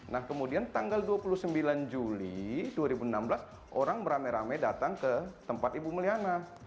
nah kemudian tanggal dua puluh sembilan juli dua ribu enam belas orang beramai ramai datang ke tempat ibu meliana